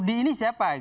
pak rudi ini siapa